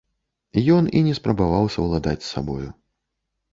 Ён і не спрабаваў саўладаць з сабою.